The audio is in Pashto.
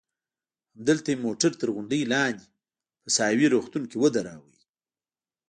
همدلته مې موټر تر غونډۍ لاندې په ساحوي روغتون کې ودراوه.